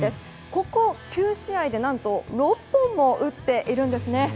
ここ９試合で何と６本も打っているんですね。